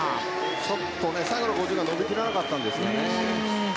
ちょっと最後の５０ｍが伸びきらなかったんですね。